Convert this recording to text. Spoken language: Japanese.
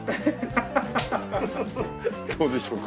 どうでしょうか？